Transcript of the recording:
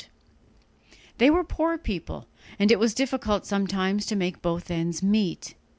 They were poor people, and it was difficult sometimes to make both ends meet.